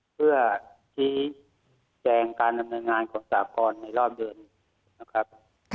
เพื่อชี้แจงการดำเนินงานของสากรในรอบเดือนนะครับ